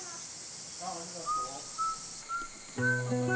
あっありがとう。